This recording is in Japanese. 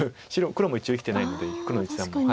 黒も一応生きてないので黒の一団も。